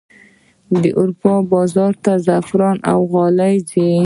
د اروپا بازار ته زعفران او غالۍ ځي